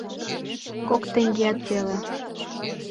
— Кок теҥгеат пеле...